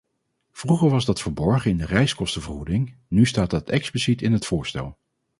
Vroeger was dat verborgen in de reiskostenvergoeding, nu staat dat expliciet in het voorstel.